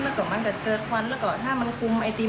มันก็เกิดควันแล้วก็ถ้ามันคุมไอติม